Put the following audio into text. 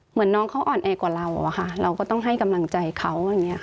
เหมือนน้องเขาอ่อนแอกกว่าเราเราก็ต้องให้กำลังใจเขา